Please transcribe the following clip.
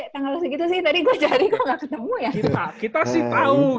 tadi gue cari kok gak ketemu ya